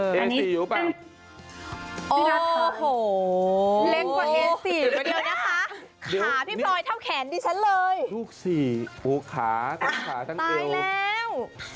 เดี๋ยวให้ดูใส่เกียรติศาสตร์